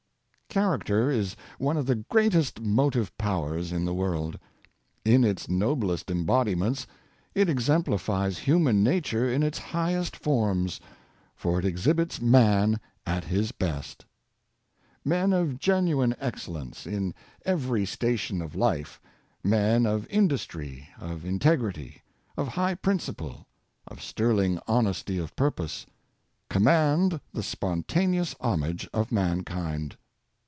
HARACTER is one of the greatest motive powers in the world. In its noblest embodi ments, it exemplifies human nature in its high est forms, for it exhibits man at his best. Men of genuine excellence, in every station, of life — men of industry, of integrity, of high principle, of sterling honesty of purpose — command the spontaneous homage of mankind.